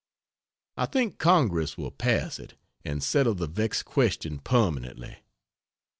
I think Congress will pass it and settle the vexed question permanently.